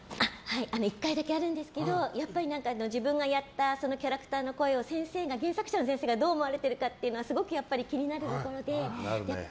１回だけあるんですけどやっぱり自分がやったキャラクターの声を原作者の先生がどう思われているかというのはすごく気になるところで。